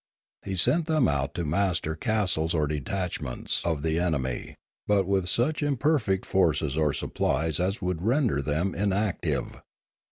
He sent them out to master castles or detachments of the enemy, but with such imperfect forces or supplies as would render them inactive.